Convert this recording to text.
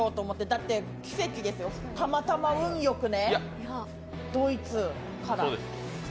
だって奇跡ですよ、たまたま運良くね、ドイツから。